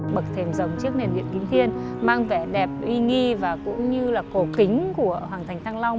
bậc thềm rồng chiếc nền điện kính thiên mang vẻ đẹp uy nghi và cũng như là cổ kính của hoàng thành thăng long